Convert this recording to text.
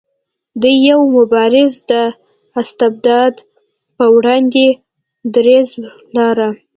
دی یو مبارز و د استبداد په وړاندې دریځ لاره.